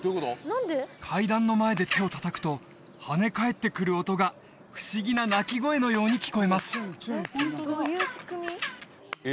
階段の前で手を叩くと跳ね返ってくる音が不思議な鳴き声のように聞こえますえ